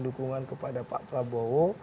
dukungan kepada pak prabowo